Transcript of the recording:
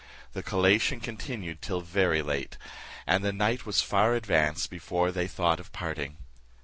The collation continued till very late, and the night was far advanced before they thought of parting.